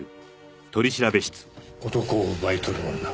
「男を奪い取る女